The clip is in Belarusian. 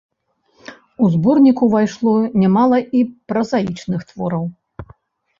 У зборнік увайшло нямала і празаічных твораў.